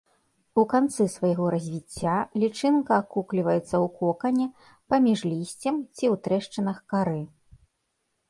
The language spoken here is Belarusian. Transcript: У канцы свайго развіцця лічынка акукліваецца ў кокане паміж лісцем ці ў трэшчынах кары.